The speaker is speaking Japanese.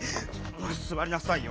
座りなさいよ。